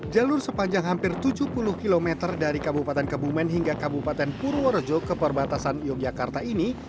jalur sepanjang hampir tujuh puluh km dari kabupaten kebumen hingga kabupaten purworejo ke perbatasan yogyakarta ini